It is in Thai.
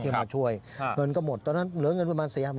มาช่วยเงินก็หมดตอนนั้นเหลือเงินประมาณ๔๐๐